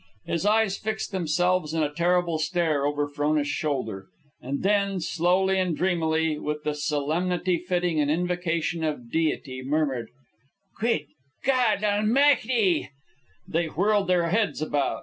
His eyes fixed themselves in a terrible stare over Frona's shoulder. And then, slowly and dreamily, with the solemnity fitting an invocation of Deity, murmured, "Guid Gawd Almichty!" They whirled their heads about.